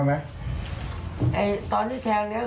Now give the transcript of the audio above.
ไม่ได้มีใครส่งเสริมให้